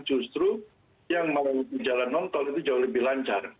justru yang melalui jalan non tol itu jauh lebih lancar